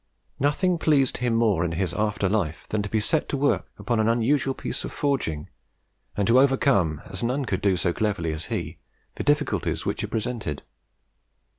Nothing pleased him more in his after life than to be set to work upon an unusual piece of forging, and to overcome, as none could do so cleverly as he, the difficulties which it presented.